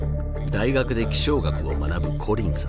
大学で気象学を学ぶコリンさん。